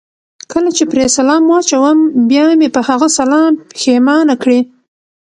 چې کله پرې سلام واچوم، بیا مې په هغه سلام پښېمانه کړي.